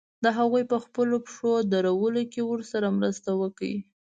د هغوی په خپلو پښو درولو کې ورسره مرسته وکړي.